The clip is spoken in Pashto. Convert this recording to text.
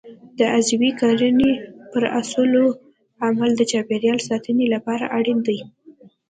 د عضوي کرنې پر اصولو عمل د چاپیریال ساتنې لپاره اړین دی.